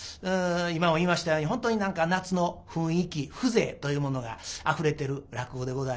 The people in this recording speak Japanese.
今も言いましたように本当に何か夏の雰囲気風情というものがあふれてる落語でございます。